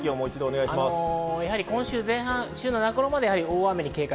今週前半、週の中頃まで大雨に警戒。